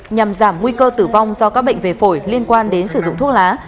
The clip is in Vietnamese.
nhằm giảm nguy cơ tử vong do các bệnh về phổi liên quan đến sử dụng thuốc lá